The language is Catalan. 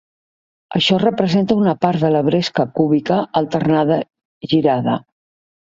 Això representa una part de la bresca cúbica alternada girada.